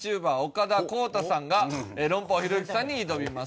岡田康太さんが論破王ひろゆきさんに挑みます。